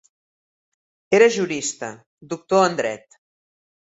Era jurista, doctor en Dret.